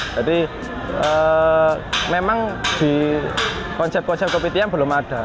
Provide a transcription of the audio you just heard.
jadi memang di konsep konsep kopi tiam belum ada